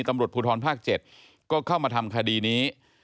ตำรวจภูทรภาค๗ก็เข้ามาทำคดีนี้